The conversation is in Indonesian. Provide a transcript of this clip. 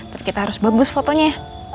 tapi kita harus bagus fotonya